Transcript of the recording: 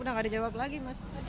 mama gak ada jawab lagi mas